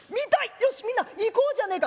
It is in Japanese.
よしみんな行こうじゃねえか」。